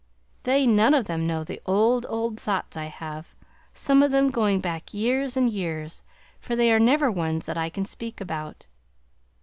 They none of them know the old, old thoughts I have, some of them going back years and years; for they are never ones that I can speak about.